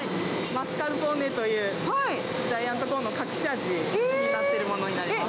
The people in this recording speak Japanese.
マスカルポーネという、ジャイアントコーンの隠し味になっているものになります。